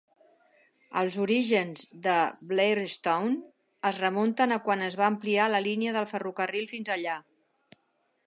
Els orígens de Blairstown es remunten a quan es va ampliar la línia del ferrocarril fins allà.